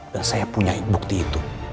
dan saya punya bukti itu